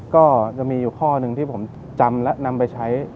ก็จะมีอยู่ข้อหนึ่งที่ผมจำและนำไปใช้